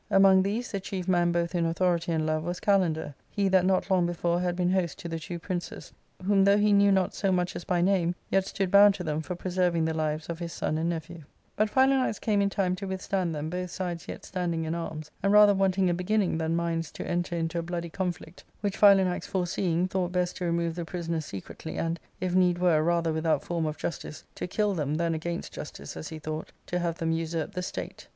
Among these, the chief man both in authority and love was Kalander, he that not long before had been host to the two princes, whom though he knew not so much as by name, yet stood bound to them for preserving the lives of his son and nephew. But Philanax came in time to withstand them, both sides yet standing in arms, and rather wanting a beginning than minds to enter into a bloody conflict, which Philanax fore seeing, thought best to remove the prisoners secretly, and, if need were, rather without form of justice to kill them than against justice, as he thought, to have them usurp the state.